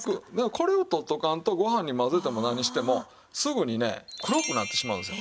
これを取っておかんとご飯にまぜても何してもすぐにね黒くなってしまうんですよ。